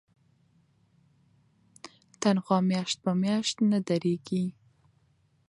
تنخوا میاشت په میاشت نه دریږي.